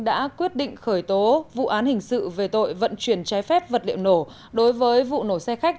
đã quyết định khởi tố vụ án hình sự về tội vận chuyển trái phép vật liệu nổ đối với vụ nổ xe khách